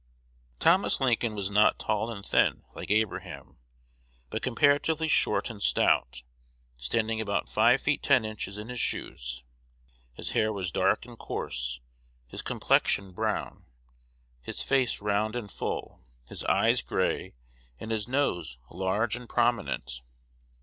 Thomas Lincoln was not tall and thin, like Abraham, but comparatively short and stout, standing about five feet ten inches in his shoes. His hair was dark and coarse, his complexion brown, his face round and full, his eyes gray, and his nose large and prominent.